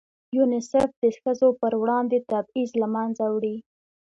یونیسف د ښځو په وړاندې تبعیض له منځه وړي.